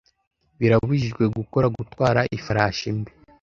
birabujijwe gukora Gutwara Ifarashi mbi